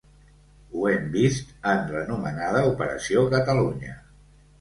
Ho hem vist en l’anomenada operació Catalunya.